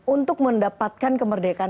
untuk mendapatkan kemerdekaan